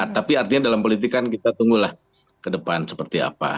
tapi artinya dalam politik kan kita tunggulah ke depan seperti apa